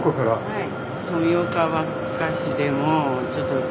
はい。